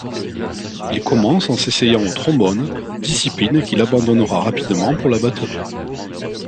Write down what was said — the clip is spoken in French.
Il commence en s'essayant au trombone, discipline qu'il abandonnera rapidement pour la batterie.